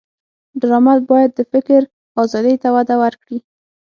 ډرامه باید د فکر آزادۍ ته وده ورکړي